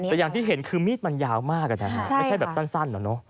แต่อย่างที่เห็นคือมีดมันยาวมากนะฮะไม่ใช่แบบสั้นเหรอเนอะ